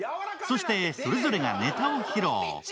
そして、それぞれがネタを披露。